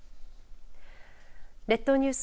列島ニュース